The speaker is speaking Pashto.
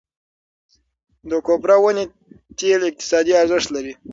د کوپره ونې تېل اقتصادي ارزښت لري.